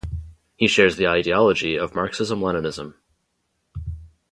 He shares the ideology of Marxism-Leninism.